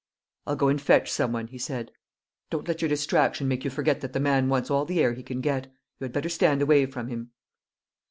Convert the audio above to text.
"I'll go and fetch some one," he said. "Don't let your distraction make you forget that the man wants all the air he can get. You had better stand away from him."